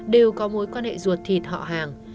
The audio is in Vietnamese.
đều có mối quan hệ ruột thịt họ hàng